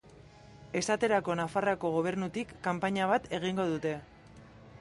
Esaterako Nafarroako Gobernutik kanpaina bat egingo dute.